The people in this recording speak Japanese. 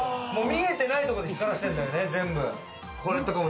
見えてないところで光らせてるんだよね、全部。